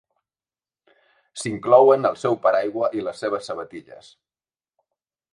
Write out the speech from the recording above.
S'inclouen el seu paraigua i les seves sabatilles.